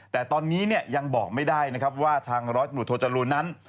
แต่ตอนนี้ยังบอกไม่ได้ว่าทางรถบุรุธโจรุณนั้น